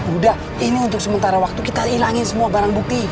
udah ini untuk sementara waktu kita hilangin semua barang bukti